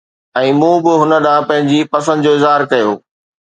۽ مون به هن ڏانهن پنهنجي پسند جو اظهار ڪيو